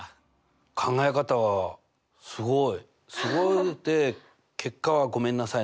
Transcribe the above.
考え方はすごい！で結果はごめんなさいなんだけど。